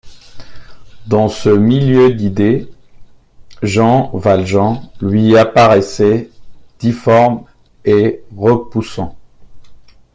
Dans ce milieu d’idées, Jean Valjean lui apparaissait difforme et repoussant.